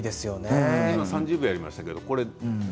今３０秒やりましたが。